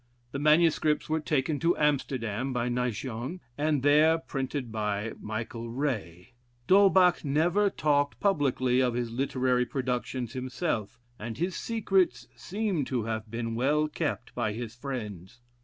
The manuscripts were taken to Amsterdam by Naigeon, and there printed by Michael Rey. D'Holbach never talked publicly of his literary productions himself and his secrets seem to have been well kept by his friends.